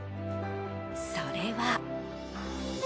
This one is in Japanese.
それは。